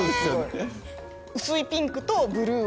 薄いピンクとブルーを。